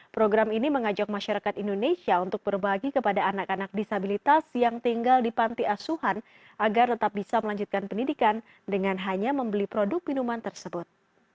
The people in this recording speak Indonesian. program ini mengajak masyarakat indonesia untuk berbagi kepada anak anak disabilitas yang tinggal di panti asuhan agar tetap bisa melanjutkan pendidikan dengan hanya membeli produk minuman tersebut